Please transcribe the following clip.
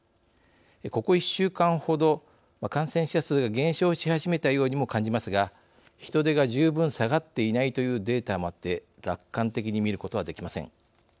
ここ１週間ほど感染者数が減少し始めたようにも感じますが人出が十分下がっていないというデータもあって楽観的に見ることはできません。